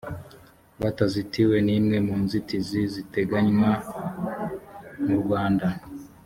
batazitiwe n imwe mu nzitizi ziteganywa murwanda